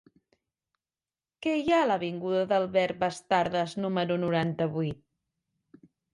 Què hi ha a l'avinguda d'Albert Bastardas número noranta-vuit?